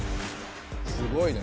すごいね。